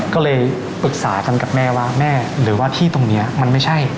ก็เลยปรึกษากันกับแม่ว่าแม่หรือว่าที่ตรงนี้มันไม่ใช่